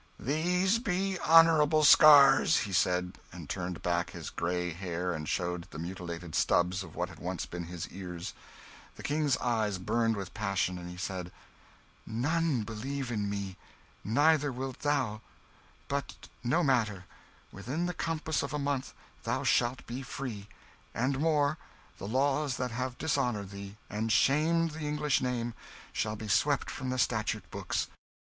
"These be honourable scars," he said, and turned back his grey hair and showed the mutilated stubs of what had once been his ears. The King's eye burned with passion. He said "None believe in me neither wilt thou. But no matter within the compass of a month thou shalt be free; and more, the laws that have dishonoured thee, and shamed the English name, shall be swept from the statute books.